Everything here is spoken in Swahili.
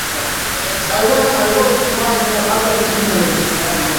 serikali ya nchi hiyo Yeye sio tu hakuwa na